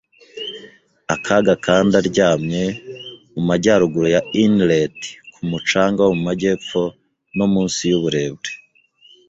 akaga, kandi aryamye mu majyaruguru ya Inlet, ku mucanga wo mu majyepfo, no munsi y'uburebure